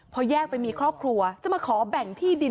พอแยกไปมีครอบครัวจะมาขอแบ่งที่ดิน